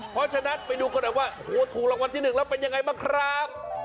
เพราะฉะนั้นไปดูกันหน่อยว่าโอ้โหถูกรางวัลที่๑แล้วเป็นยังไงบ้างครับ